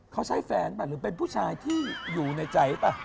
เขาใช้แฟนหรือเป็นผู้ชายที่อยู่ในใจป่ะ